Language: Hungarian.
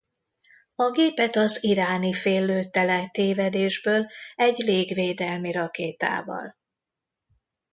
A gépet az iráni fél lőtte le tévedésből egy légvédelmi rakétával.